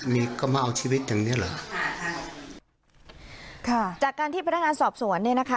นี่ก็มาเอาชีวิตอย่างเงี้เหรอค่ะจากการที่พนักงานสอบสวนเนี่ยนะคะ